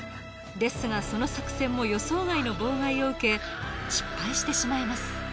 ですがその作戦も予想外の妨害を受け失敗してしまいます